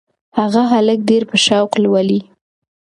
هغه هلک ډېر په شوق لولي.